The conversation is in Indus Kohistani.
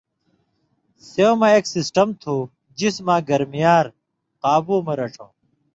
سېوں مہ اېک سسٹم تُھو جسماں گرمی یار قابُو مہ رڇھؤں